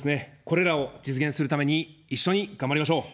これらを実現するために一緒に頑張りましょう。